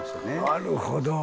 なるほど。